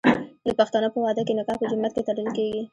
د پښتنو په واده کې نکاح په جومات کې تړل کیږي.